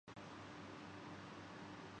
کیمپوں میں درپیش مسائل کو کیسے حل کیا جا رہا ہے؟